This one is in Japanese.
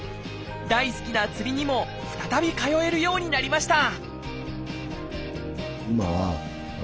大好きな釣りにも再び通えるようになりました